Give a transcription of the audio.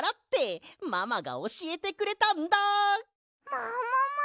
ももも！